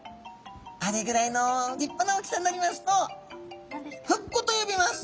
あれぐらいの立派な大きさになりますとフッコと呼びます。